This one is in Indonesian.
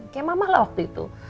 kayak mamalah waktu itu